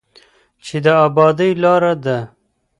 چې د ابادۍ لاره ده.